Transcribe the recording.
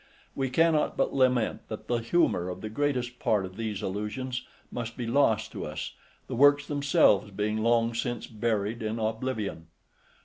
We cannot but lament that the humour of the greatest part of these allusions must be lost to us, the works themselves being long since buried in oblivion.